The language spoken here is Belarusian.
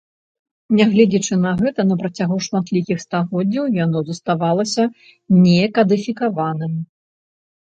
Нягледзячы на гэта, на працягу шматлікіх стагоддзяў яно заставалася не кадыфікаваным.